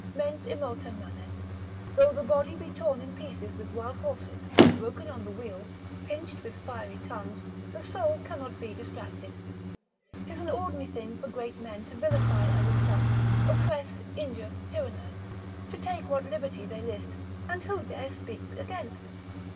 Mens immota manet, though the body be torn in pieces with wild horses, broken on the wheel, pinched with fiery tongs, the soul cannot be distracted. 'Tis an ordinary thing for great men to vilify and insult, oppress, injure, tyrannise, to take what liberty they list, and who dare speak against?